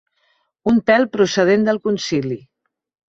Un pèl procedent del concili.